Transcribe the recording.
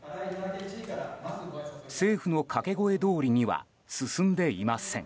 政府の掛け声どおりには進んでいません。